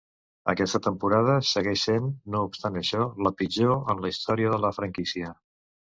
Aquesta temporada segueix sent, no obstant això, la pitjor en la història de la franquícia.